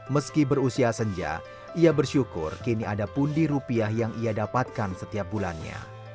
meski berusia senja ia bersyukur kini ada pundi rupiah yang ia dapatkan setiap bulannya